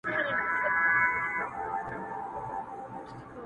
او باطني له روح او زړه سره تړلي بولي